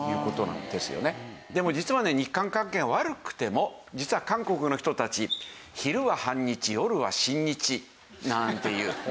でも実はね日韓関係が悪くても実は韓国の人たち「昼は反日夜は親日」なんていう。